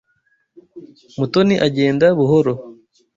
Mutoni agenda buhoro.